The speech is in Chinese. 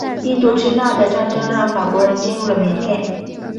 印度支那的战争让法国人进入了缅甸。